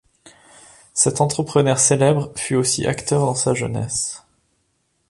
Cet entrepreneur célèbre fut aussi acteur dans sa jeunesse.